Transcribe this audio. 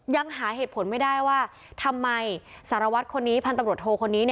ยังหาเหตุผลไม่ได้ว่าทำไมสารวัตรคนนี้พันธุ์ตำรวจโทคนนี้